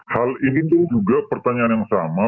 hal ini tuh juga pertanyaan yang sama